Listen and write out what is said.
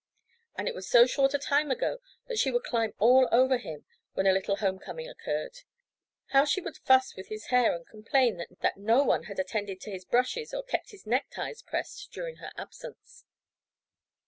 And it was so short a time ago that she would "climb all over him" when a little homecoming occurred. How she would fuss with his hair, and complain that no one had attended to his brushes or kept his neck ties pressed during her absence.